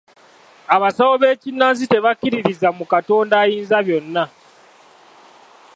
Abasawo b'ekinnansi tebakkiririza mu Katonda Ayinza byonna.